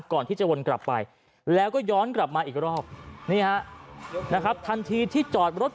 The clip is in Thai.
ก่อนที่จะวนกลับไปแล้วก็ย้อนกลับมาอีกรอบนี่ฮะนะครับทันทีที่จอดรถ